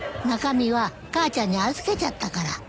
中身は母ちゃんに預けちゃったから。